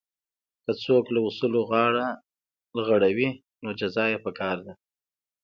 که څوک له اصولو غاړه غړوي نو جزا یې پکار ده.